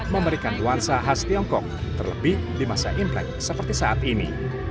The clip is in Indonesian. memberikan nuansa khas tiongkok terlebih di masa imlek seperti saat ini